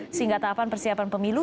sehingga tahapan persiapan pemilu